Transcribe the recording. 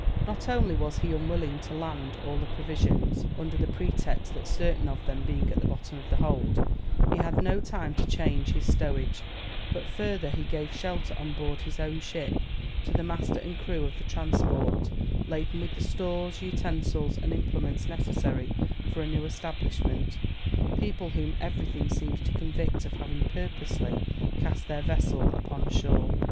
Not only was he unwilling to land all the provisions, under the pretext that certain of them being at the bottom of the hold, he had no time to change his stowage, but further he gave shelter on board his own ship to the master and crew of the transport, laden with the stores, utensils, and implements necessary for a new establishment, people whom everything seems to convict of having purposely cast their vessel upon shore.